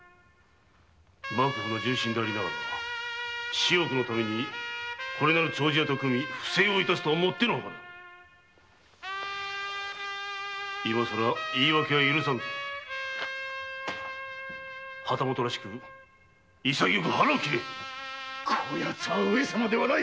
幕府の重臣でありながら私欲のためにこれなる丁字屋と組み不正を致すとはもってのほかだ今さら言い訳は許さぬ旗本らしく潔く腹を切れこやつは上様ではない。